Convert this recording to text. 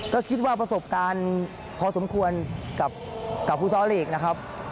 ก็คิดว่าประสบการณ์พอสมควรกับฟุตซอลลีกนะครับ